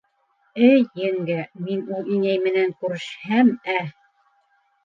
— Эй, еңгә, мин ул инәй менән күрешһәм, ә?